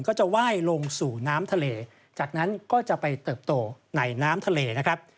ก็จะไหว้ลงสู่น้ำทะเลจากนั้นก็จะไปเติบโตในน้ำทะเลนะครับ